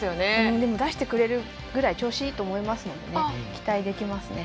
でも、出してくれるくらい調子いいと思いますので期待できますね。